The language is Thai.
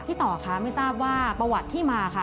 ต่อคะไม่ทราบว่าประวัติที่มาค่ะ